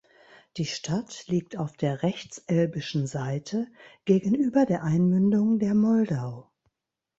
Die Stadt liegt auf der rechtselbischen Seite gegenüber der Einmündung der Moldau.